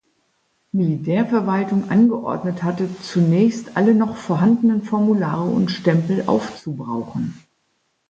Militärverwaltung angeordnet hatte, zunächst alle noch vorhandenen Formulare und Stempel aufzubrauchen!